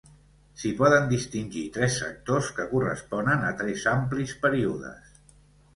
S'hi poden distingir tres sectors que corresponen a tres amplis períodes.